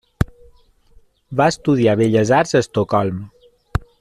Va estudiar Belles Arts a Estocolm.